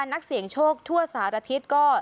นักเสี่ยงโชคทั่วสารทิศก็